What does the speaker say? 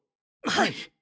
はい。